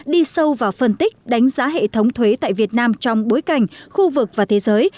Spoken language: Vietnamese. đi sâu vào phân tích đánh giá hệ thống thuế tại việt nam trong bối cảnh khu vực và thế giới